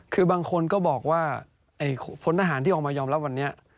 คือบางคนก็บอกว่าพลทหารที่ออกมายอมรับวันนี้